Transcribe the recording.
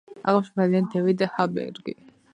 აღნიშნავს ბალერონი დევიდ ჰალბერგი.